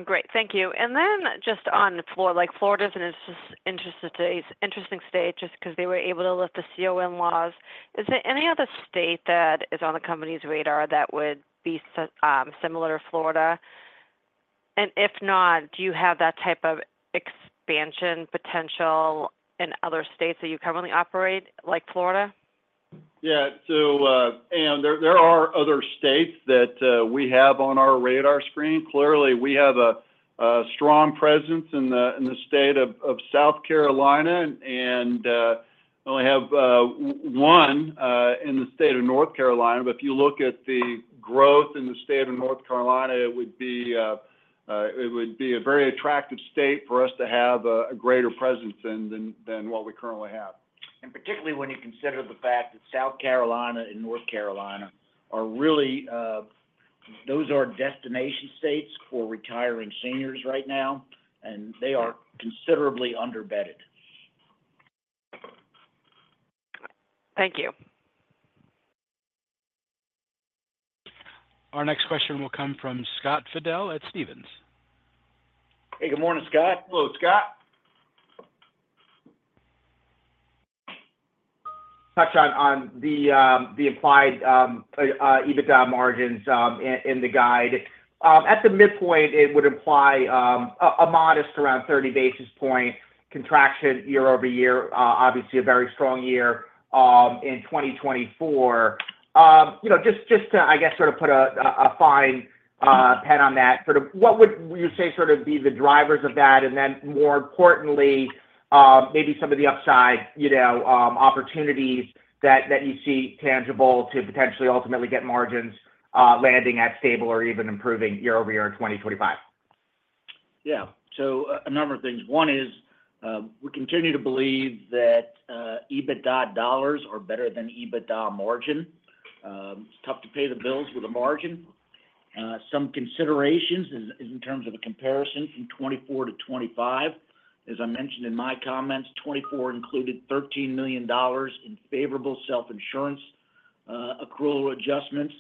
Great. Thank you. And then just on Florida, Florida is an interesting state just because they were able to lift the CON laws. Is there any other state that is on the company's radar that would be similar to Florida? And if not, do you have that type of expansion potential in other states that you currently operate, like Florida? Yeah. So Ann, there are other states that we have on our radar screen. Clearly, we have a strong presence in the state of South Carolina and only have one in the state of North Carolina. But if you look at the growth in the state of North Carolina, it would be a very attractive state for us to have a greater presence than what we currently have. Particularly when you consider the fact that South Carolina and North Carolina are really those destination states for retiring seniors right now, and they are considerably underbedded. Thank you. Our next question will come from Scott Fidel at Stephens. Hey, good morning, Scott. Hello, Scott. Touch on the implied EBITDA margins in the guide. At the midpoint, it would imply a modest around 30 basis points contraction year over year, obviously a very strong year in 2024. Just to, I guess, sort of put a fine point on that, what would you say sort of be the drivers of that? And then more importantly, maybe some of the upside opportunities that you see tangible to potentially ultimately get margins landing at stable or even improving year over year in 2025? Yeah. So a number of things. One is we continue to believe that EBITDA dollars are better than EBITDA margin. It's tough to pay the bills with a margin. Some considerations in terms of a comparison from 2024 to 2025. As I mentioned in my comments, 2024 included $13 million in favorable self-insurance accrual adjustments.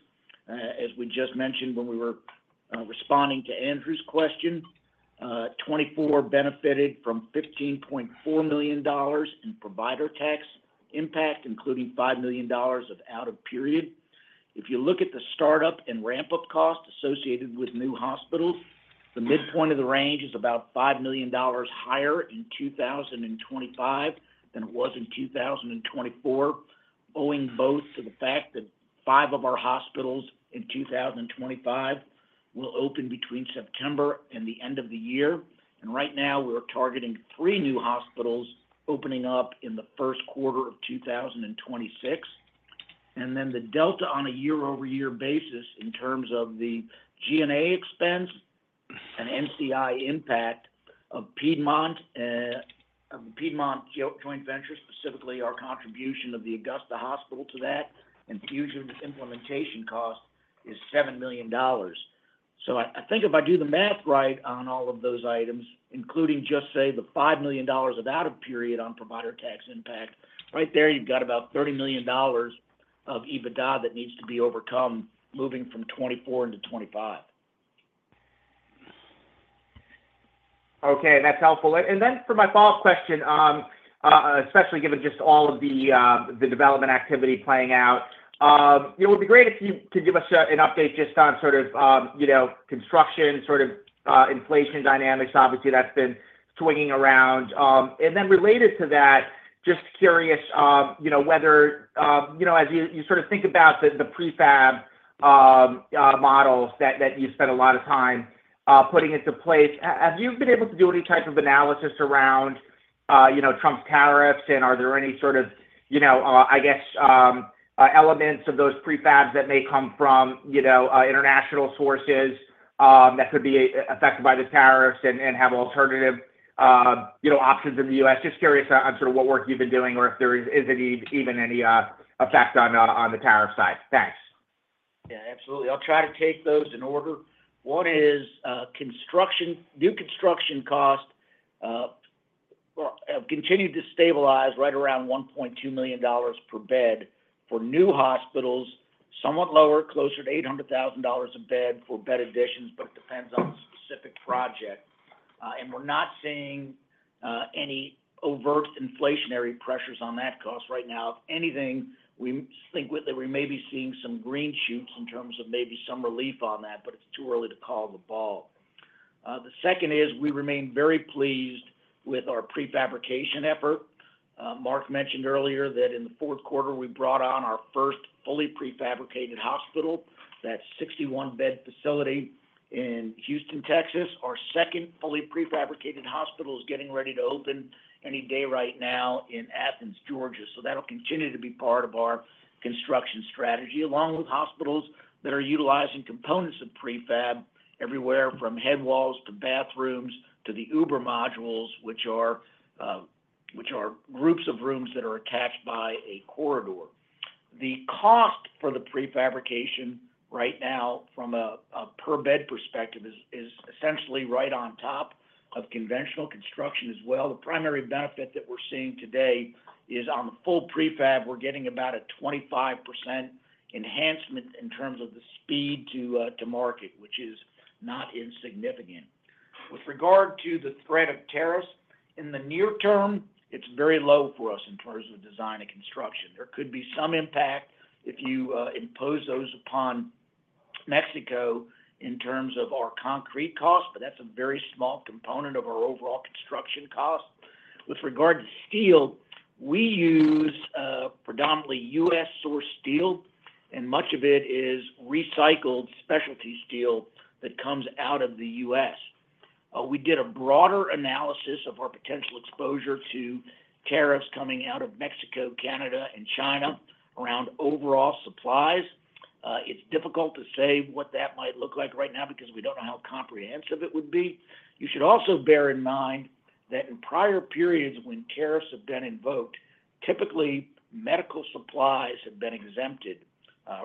As we just mentioned when we were responding to Andrew's question, 2024 benefited from $15.4 million in provider tax impact, including $5 million of out-of-period. If you look at the startup and ramp-up costs associated with new hospitals, the midpoint of the range is about $5 million higher in 2025 than it was in 2024, owing both to the fact that five of our hospitals in 2025 will open between September and the end of the year, and right now, we're targeting three new hospitals opening up in the first quarter of 2026, and then the delta on a year-over-year basis in terms of the G&A expense and NCI impact of Piedmont Joint Ventures, specifically our contribution of the Augusta Hospital to that, and fusion implementation cost is $7 million. So I think if I do the math right on all of those items, including just, say, the $5 million of out-of-period on provider tax impact, right there, you've got about $30 million of EBITDA that needs to be overcome moving from 2024 into 2025. Okay. That's helpful. And then for my follow-up question, especially given just all of the development activity playing out, it would be great if you could give us an update just on sort of construction, sort of inflation dynamics. Obviously, that's been swinging around. And then related to that, just curious whether, as you sort of think about the prefab models that you spent a lot of time putting into place, have you been able to do any type of analysis around Trump's tariffs? Are there any sort of, I guess, elements of those prefabs that may come from international sources that could be affected by the tariffs and have alternative options in the U.S.? Just curious on sort of what work you've been doing or if there is even any effect on the tariff side. Thanks. Yeah. Absolutely. I'll try to take those in order. One is new construction costs have continued to stabilize right around $1.2 million per bed for new hospitals, somewhat lower, closer to $800,000 a bed for bed additions, but it depends on the specific project. We're not seeing any overt inflationary pressures on that cost right now. If anything, we think that we may be seeing some green shoots in terms of maybe some relief on that, but it's too early to call the ball. The second is we remain very pleased with our prefabrication effort. Mark mentioned earlier that in the fourth quarter, we brought on our first fully prefabricated hospital, that 61-bed facility in Houston, Texas. Our second fully prefabricated hospital is getting ready to open any day right now in Athens, Georgia, so that'll continue to be part of our construction strategy, along with hospitals that are utilizing components of prefab everywhere from head walls to bathrooms to the Uber modules, which are groups of rooms that are attached by a corridor. The cost for the prefabrication right now from a per-bed perspective is essentially right on top of conventional construction as well. The primary benefit that we're seeing today is on the full prefab, we're getting about a 25% enhancement in terms of the speed to market, which is not insignificant. With regard to the threat of tariffs in the near term, it's very low for us in terms of design and construction. There could be some impact if you impose those upon Mexico in terms of our concrete costs, but that's a very small component of our overall construction cost. With regard to steel, we use predominantly U.S.-sourced steel, and much of it is recycled specialty steel that comes out of the U.S. We did a broader analysis of our potential exposure to tariffs coming out of Mexico, Canada, and China around overall supplies. It's difficult to say what that might look like right now because we don't know how comprehensive it would be. You should also bear in mind that in prior periods when tariffs have been invoked, typically medical supplies have been exempted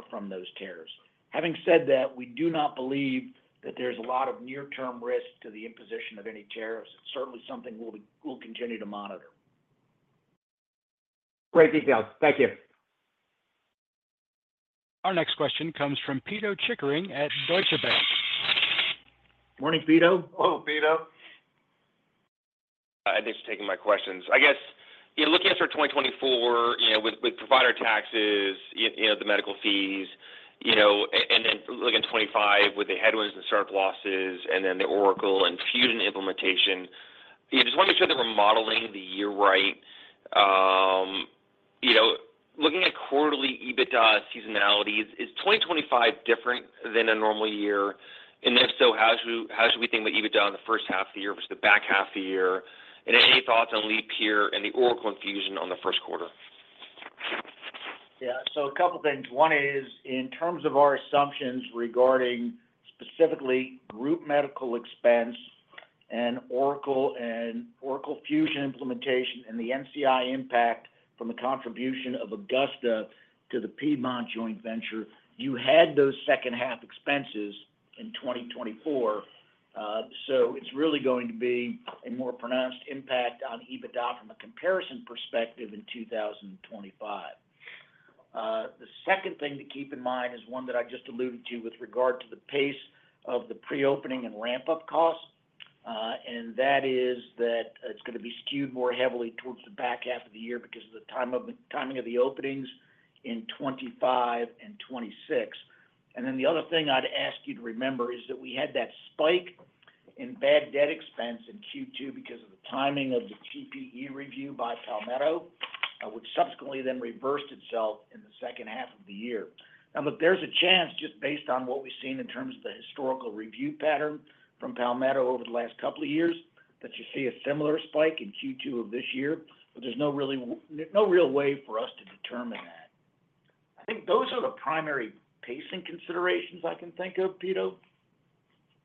from those tariffs. Having said that, we do not believe that there's a lot of near-term risk to the imposition of any tariffs. It's certainly something we'll continue to monitor. Great details. Thank you. Our next question comes from Pito Chickering at Deutsche Bank. Morning, Pito. Oh, Pito. I think she's taking my questions. I guess looking at for 2024 with provider taxes, the medical fees, and then looking at 2025 with the headwinds and startup losses and then the Oracle Fusion implementation, just want to make sure that we're modeling the year right. Looking at quarterly EBITDA seasonality, is 2025 different than a normal year? And if so, how should we think about EBITDA in the first half of the year versus the back half of the year? And any thoughts on leap year and the Oracle Fusion on the first quarter? Yeah. So a couple of things. One is in terms of our assumptions regarding specifically group medical expense and Oracle Fusion implementation and the NCI impact from the contribution of Augusta to the Piedmont Joint Venture, you had those second-half expenses in 2024. So it's really going to be a more pronounced impact on EBITDA from a comparison perspective in 2025. The second thing to keep in mind is one that I just alluded to with regard to the pace of the pre-opening and ramp-up costs. And that is that it's going to be skewed more heavily towards the back half of the year because of the timing of the openings in 2025 and 2026. And then the other thing I'd ask you to remember is that we had that spike in bad debt expense in Q2 because of the timing of the TPE review by Palmetto, which subsequently then reversed itself in the second half of the year. Now, there's a chance just based on what we've seen in terms of the historical review pattern from Palmetto over the last couple of years that you see a similar spike in Q2 of this year, but there's no real way for us to determine that. I think those are the primary pacing considerations I can think of, Pito.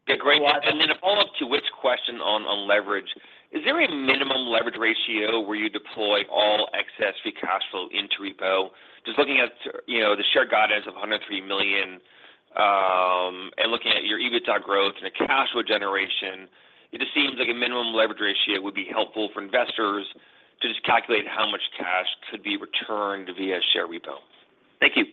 Yeah. Great. And then, to follow up to Rich's question on leverage, is there a minimum leverage ratio where you deploy all excess free cash flow into repo? Just looking at the share guidance of 103 million and looking at your EBITDA growth and the cash flow generation, it just seems like a minimum leverage ratio would be helpful for investors to just calculate how much cash could be returned via share repo. Thank you.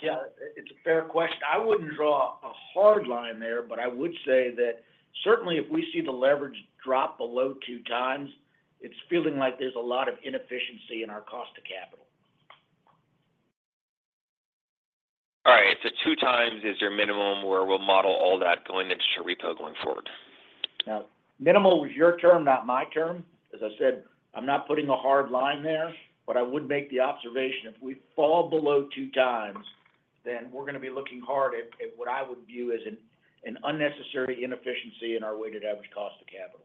Yeah. It's a fair question. I wouldn't draw a hard line there, but I would say that certainly if we see the leverage drop below two times, it's feeling like there's a lot of inefficiency in our cost of capital. All right. So two times is your minimum where we'll model all that going into share repo going forward. Now, minimal was your term, not my term. As I said, I'm not putting a hard line there, but I would make the observation if we fall below two times, then we're going to be looking hard at what I would view as an unnecessary inefficiency in our weighted average cost of capital.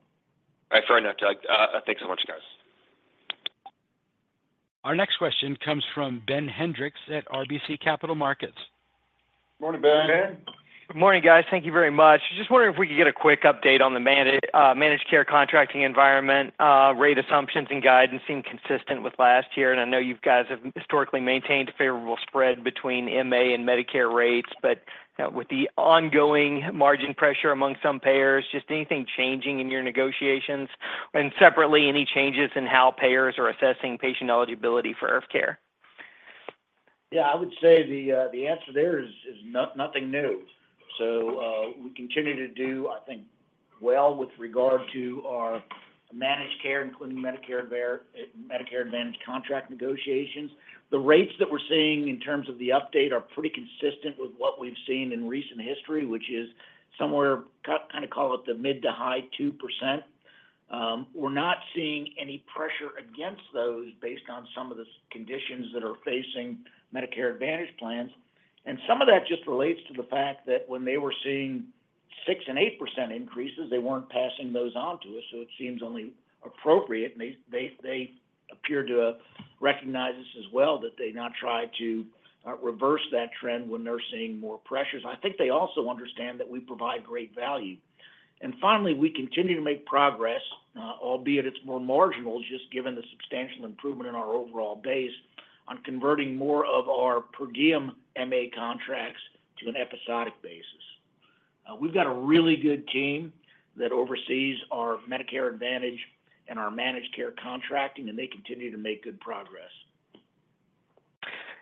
All right. Fair enough. Thanks so much, guys. Our next question comes from Ben Hendrix at RBC Capital Markets. Morning, Ben. Good morning, guys. Thank you very much. Just wondering if we could get a quick update on the managed care contracting environment. Rate assumptions, and guidance seem consistent with last year. And I know you guys have historically maintained a favorable spread between MA and Medicare rates, but with the ongoing margin pressure among some payers, just anything changing in your negotiations? And separately, any changes in how payers are assessing patient eligibility for IRF care? Yeah. I would say the answer there is nothing new. So we continue to do, I think, well with regard to our managed care, including Medicare Advantage contract negotiations. The rates that we're seeing in terms of the update are pretty consistent with what we've seen in recent history, which is somewhere kind of call it the mid- to high 2%. We're not seeing any pressure against those based on some of the conditions that are facing Medicare Advantage plans. And some of that just relates to the fact that when they were seeing 6% and 8% increases, they weren't passing those on to us. So it seems only appropriate. And they appear to recognize this as well, that they now try to reverse that trend when they're seeing more pressures. I think they also understand that we provide great value. Finally, we continue to make progress, albeit it's more marginal just given the substantial improvement in our overall base on converting more of our per diem MA contracts to an episodic basis. We've got a really good team that oversees our Medicare Advantage and our managed care contracting, and they continue to make good progress.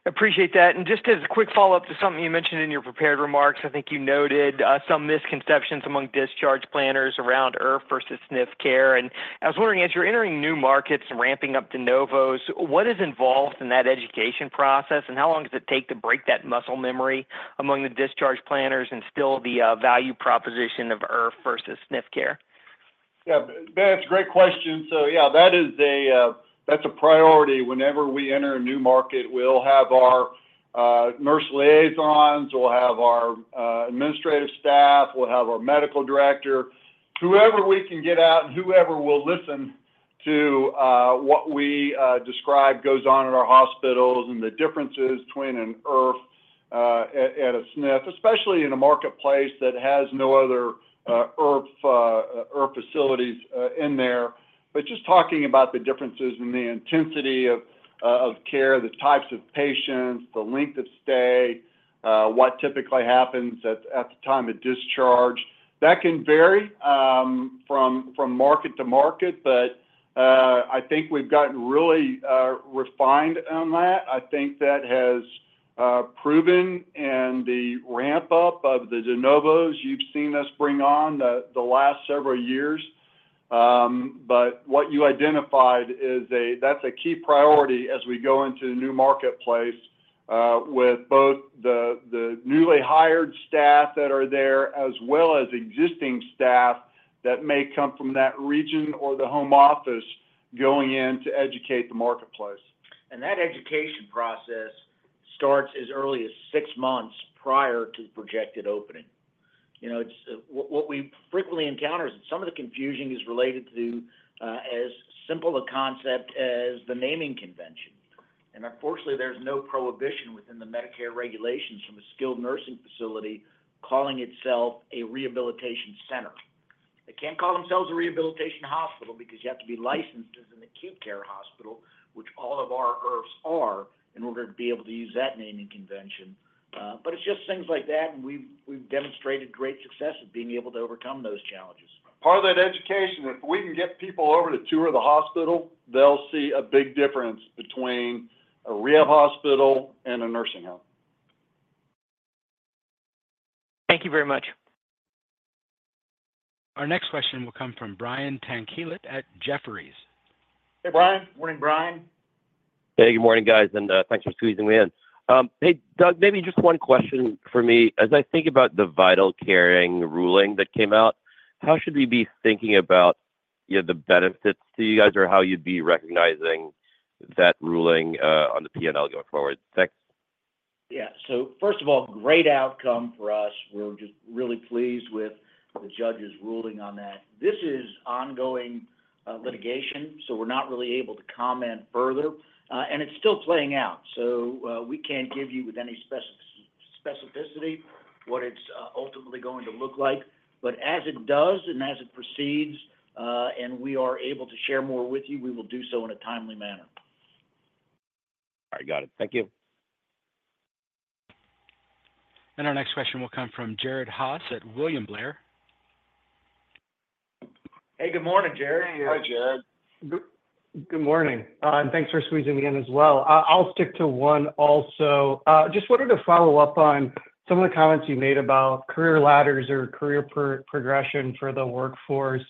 Appreciate that. And just as a quick follow-up to something you mentioned in your prepared remarks, I think you noted some misconceptions among discharge planners around IRF versus SNF care. And I was wondering, as you're entering new markets and ramping up de novos, what is involved in that education process? And how long does it take to break that muscle memory among the discharge planners and sell the value proposition of IRF versus SNF care? Yeah. Ben, it's a great question, so yeah, that's a priority. Whenever we enter a new market, we'll have our nurse liaisons, we'll have our administrative staff, we'll have our medical director, whoever we can get out and whoever will listen to what we describe goes on in our hospitals and the differences between an IRF and a SNF, especially in a marketplace that has no other IRF facilities in there, but just talking about the differences in the intensity of care, the types of patients, the length of stay, what typically happens at the time of discharge, that can vary from market to market, but I think we've gotten really refined on that. I think that has proven and the ramp-up of the de novos you've seen us bring on the last several years. But what you identified is that's a key priority as we go into the new marketplace with both the newly hired staff that are there as well as existing staff that may come from that region or the home office going in to educate the marketplace. That education process starts as early as six months prior to the projected opening. What we frequently encounter is some of the confusion is related to as simple a concept as the naming convention. Unfortunately, there's no prohibition within the Medicare regulations from a skilled nursing facility calling itself a rehabilitation center. They can't call themselves a rehabilitation hospital because you have to be licensed as an acute care hospital, which all of our IRFs are in order to be able to use that naming convention. But it's just things like that. We've demonstrated great success of being able to overcome those challenges. Part of that education, if we can get people over to tour the hospital, they'll see a big difference between a rehab hospital and a nursing home. Thank you very much. Our next question will come from Brian Tanquilut at Jefferies. Hey, Brian. Morning, Brian. Hey, good morning, guys. And thanks for squeezing me in. Hey, Doug, maybe just one question for me. As I think about the VitalCaring ruling that came out, how should we be thinking about the benefits to you guys or how you'd be recognizing that ruling on the P&L going forward? Thanks. Yeah. So first of all, great outcome for us. We're just really pleased with the judge's ruling on that. This is ongoing litigation, so we're not really able to comment further. And it's still playing out. So we can't give you with any specificity what it's ultimately going to look like. But as it does and as it proceeds, and we are able to share more with you, we will do so in a timely manner. All right. Got it. Thank you. Our next question will come from Jared Haase at William Blair. Hey, good morning, Jared. Hi, Jared. Good morning and thanks for squeezing me in as well. I'll stick to one also. Just wanted to follow up on some of the comments you made about career ladders or career progression for the workforce.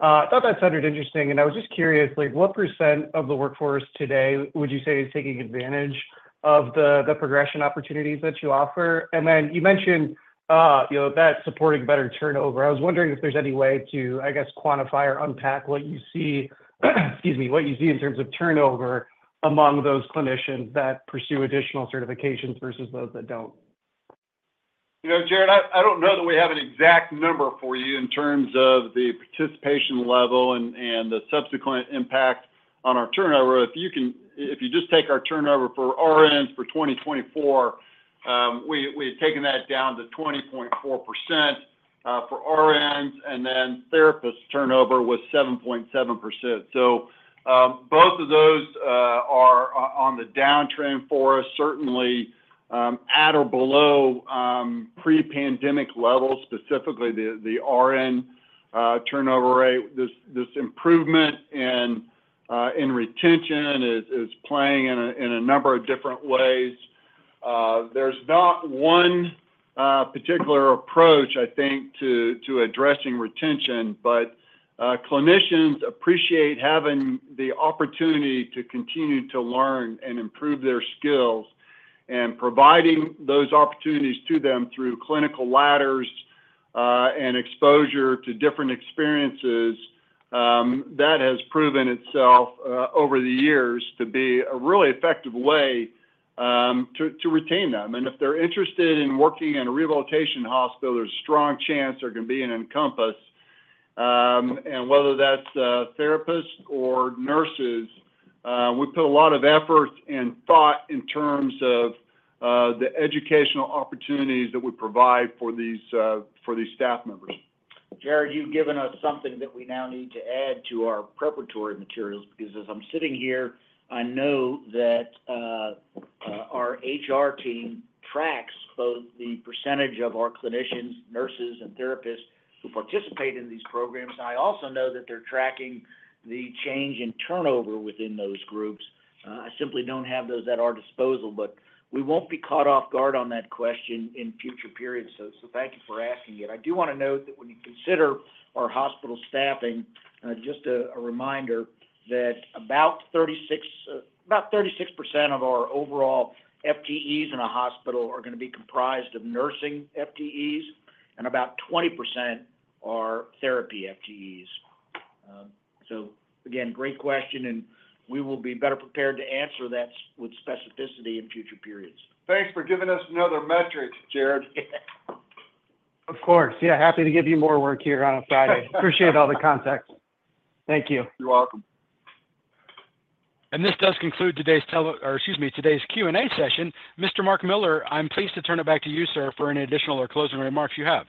I thought that sounded interesting and I was just curious, what percent of the workforce today would you say is taking advantage of the progression opportunities that you offer? And then you mentioned that supporting better turnover. I was wondering if there's any way to, I guess, quantify or unpack what you see, excuse me, what you see in terms of turnover among those clinicians that pursue additional certifications versus those that don't. Jared, I don't know that we have an exact number for you in terms of the participation level and the subsequent impact on our turnover. If you just take our turnover for RNs for 2024, we've taken that down to 20.4% for RNs, and then therapist turnover was 7.7%. So both of those are on the downtrend for us, certainly at or below pre-pandemic levels, specifically the RN turnover rate. This improvement in retention is playing in a number of different ways. There's not one particular approach, I think, to addressing retention, but clinicians appreciate having the opportunity to continue to learn and improve their skills and providing those opportunities to them through clinical ladders and exposure to different experiences. That has proven itself over the years to be a really effective way to retain them. If they're interested in working in a rehabilitation hospital, there's a strong chance they're going to be in Encompass. Whether that's therapists or nurses, we put a lot of effort and thought in terms of the educational opportunities that we provide for these staff members. Jared, you've given us something that we now need to add to our preparatory materials because as I'm sitting here, I know that our HR team tracks both the percentage of our clinicians, nurses, and therapists who participate in these programs. And I also know that they're tracking the change in turnover within those groups. I simply don't have those at our disposal, but we won't be caught off guard on that question in future periods. So thank you for asking it. I do want to note that when you consider our hospital staffing, just a reminder that about 36% of our overall FTEs in a hospital are going to be comprised of nursing FTEs, and about 20% are therapy FTEs. So again, great question, and we will be better prepared to answer that with specificity in future periods. Thanks for giving us another metric, Jared. Of course. Yeah. Happy to give you more work here on a Friday. Appreciate all the context. Thank you. You're welcome. And this conclude today's, excuse me, today's Q&A session. Mr. Mark Miller, I'm pleased to turn it back to you, sir, for any additional or closing remarks you have.